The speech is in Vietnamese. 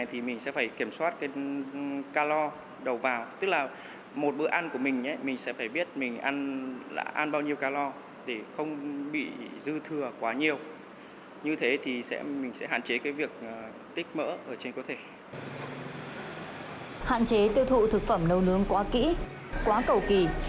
hạn chế tiêu thụ thực phẩm nấu nướng quá kỹ quá cẩu kỳ